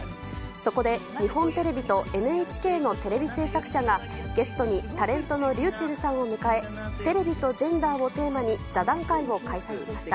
そこで日本テレビとＮＨＫのテレビ制作者が、ゲストにタレントのりゅうちぇるさんを迎え、テレビとジェンダーをテーマに座談会を開催しました。